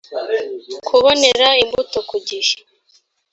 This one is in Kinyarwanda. kubonera imbuto ku gihe